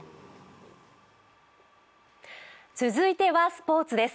続いてはスポーツです。